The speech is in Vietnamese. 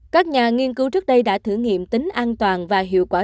các nhà nghiên cứu trước đây đã thử nghiệm tính an toàn và hiệu quả